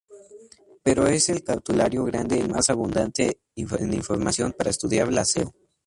Pero es el cartulario grande el más abundante en información para estudiar la Seo.